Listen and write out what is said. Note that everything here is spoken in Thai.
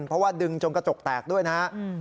เพราะว่าดึงจนกระจกแตกด้วยนะครับ